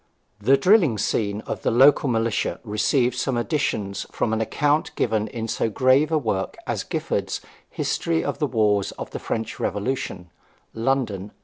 The drilling scene of the local militia received some additions from an account given in so grave a work as Gifford's 'History of the Wars of the French Revolution' (London, 1817).